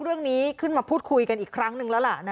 เรื่องนี้มาพูดคุยกันอีกครั้งละละ